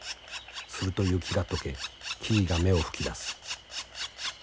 すると雪が解け木々が芽を吹き出す。